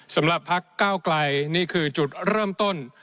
สำหรับพักก้าวไกลนี่คือจุดเริ่มต้น